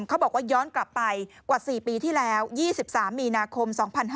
เขาบอกว่าย้อนกลับไปกว่า๔ปีที่แล้ว๒๓มีนาคม๒๕๕๙